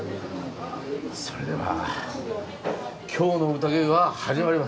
それでは今日のうたげが始まります。